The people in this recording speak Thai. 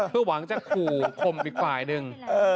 เพื่อหวังจะขู่คมอีกฝ่ายหนึ่ง